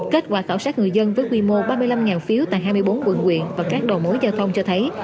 kết quả khảo sát người dân với quy mô ba mươi năm phiếu tại hai mươi bốn quận quyện và các đầu mối giao thông cho thấy